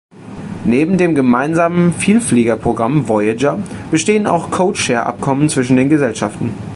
Neben dem gemeinsamen Vielfliegerprogramm "Voyager" bestehen auch Codeshare-Abkommen zwischen den Gesellschaften.